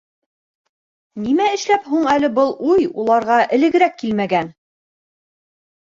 Нимә эшләп һуң әле был уй уларға элегерәк килмәгән?